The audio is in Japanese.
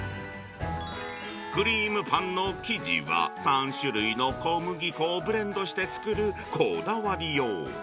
クリームパンの生地は３種類の小麦粉をブレンドして作るこだわりよう。